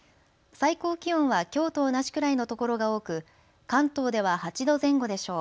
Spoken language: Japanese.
最高気温はきょうと同じくらいの所が多く関東では８度前後でしょう。